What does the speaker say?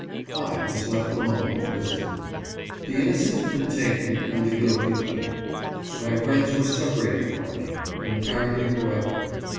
I was left alone in prison. The innocent had been taken and the guilty left. My friends were separated from me, and apparently forever.